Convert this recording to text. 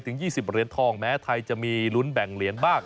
ถึง๒๐เหรียญทองแม้ไทยจะมีลุ้นแบ่งเหรียญบ้าง